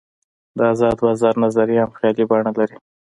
د آزاد بازار نظریه هم خیالي بڼه لري.